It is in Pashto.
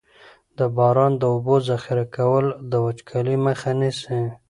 د باران د اوبو ذخیره کول د وچکالۍ مخه نیسي.